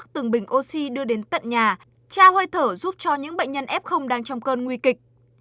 từng bình oxy đưa đến tận nhà tra hơi thở giúp cho những bệnh nhân f đang trong cơn nguy kịch